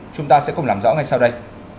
chúng ta sẽ cùng làm rõ ngay sau đây